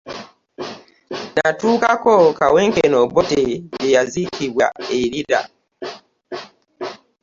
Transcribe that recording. Natuukako kawenkene Obote gye yaziikibwa e Lira.